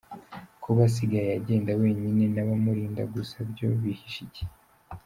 Kuba asigaye agenda wenyine n’abamurinda gusa byo bihishe iki?